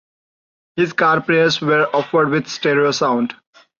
His car players were offered with stereo sound.